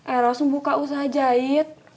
eros membuka usaha jahit